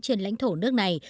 trên lãnh thổ nước này